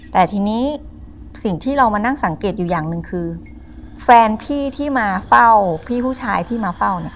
แต่ทีนี้สิ่งที่เรามานั่งสังเกตอยู่อย่างหนึ่งคือแฟนพี่ที่มาเฝ้าพี่ผู้ชายที่มาเฝ้าเนี่ย